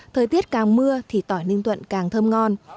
thời tiết càng mưa thì tỏi ninh thuận càng thơm ngon